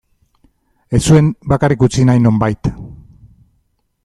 Ez zuen bakarrik utzi nahi, nonbait.